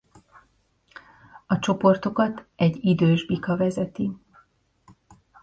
A csoportokat egy idős bika vezeti.